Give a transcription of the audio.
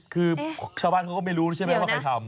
คือชาวบ้านเขาก็ไม่รู้ใช่ไหมว่าใครทำ